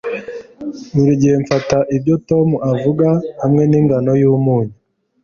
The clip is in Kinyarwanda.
Buri gihe mfata ibyo Tom avuga hamwe ningano yumunyu.